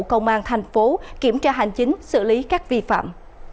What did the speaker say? công an thành phố kiểm tra hành chính xử lý các vi phạm